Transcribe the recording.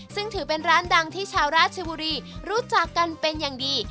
ซึ่งถือเป็นร้านดังที่ชาวราชบุรีรู้จักกันเป็นอย่างดี